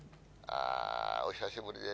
あーお久しぶりです。